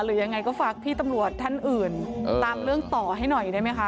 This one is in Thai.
หรือยังไงก็ฝากพี่ตำรวจท่านอื่นตามเรื่องต่อให้หน่อยได้ไหมคะ